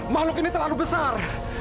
makhluk ini terlalu besar